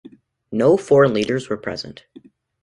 No foreign leaders were present.